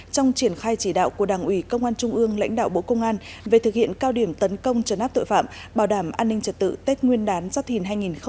trong triển khai chỉ đạo của đảng ủy công an trung ương lãnh đạo bộ công an về thực hiện cao điểm tấn công trấn áp tội phạm bảo đảm an ninh trật tự tết nguyên đán giáp thìn hai nghìn hai mươi bốn